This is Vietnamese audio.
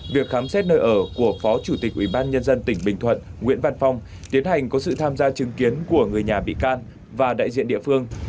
việc khám xét nơi ở của phó chủ tịch ủy ban nhân dân tỉnh bình thuận nguyễn văn phong tiến hành có sự tham gia chứng kiến của người nhà bị can và đại diện địa phương